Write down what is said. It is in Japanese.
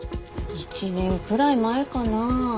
１年くらい前かな。